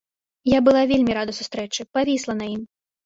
Я была вельмі рада сустрэчы, павісла на ім.